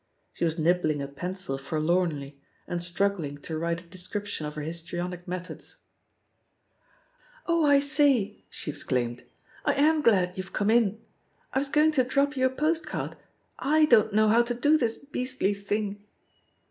She was mbbling a pencil forlornly, and struggling to write a description of her histrionic methods. 0h, I say I*' she exclaimed, "I am glad youVe come in — I was going to drop you a postcard^ / don^t know how to do this beastly thing.